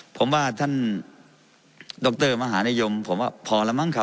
ผมว่าท่านดรมหานิยมผมว่าพอแล้วมั้งครับ